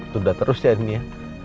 tunda terus ya ini ya